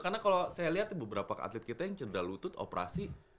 karena kalau saya lihat beberapa atlet kita yang cedera lutut operasi